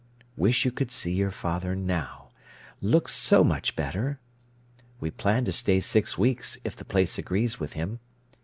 Wish you could see your father now. Looks so much better! We plan to stay six weeks if the place agrees with him.